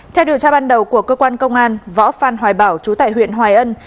theo điều tra ban đầu của cơ quan công an võ phan hoài bảo chú tệ huyện hoài ân